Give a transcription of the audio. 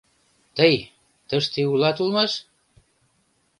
Тый... тыште улат улмаш?!